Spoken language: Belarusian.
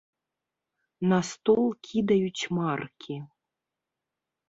На стол кідаюць маркі.